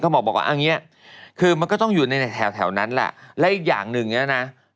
เขาบอกว่าอันนี้คือมันก็อยู่ในแถวนั้นแหละและอีกอย่างนึงเนี่ยนะ